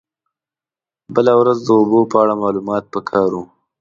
بله ورځ د اوبو په اړه معلومات په کار و.